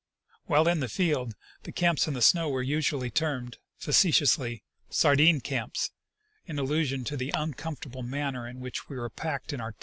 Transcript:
While in the field the camps in the snow were usually termed, facetiously, " sardine camps," in allusion to the uncomfortable manner in which we were packed in our tent at night.